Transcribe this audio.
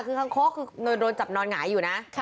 คือคางโค้กคือโดนจับนอนหงายอยู่นะ